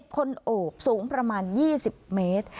คนโอบสูงประมาณ๒๐เมตร